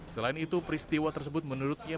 selain itu peristiwa tersebut menurutnya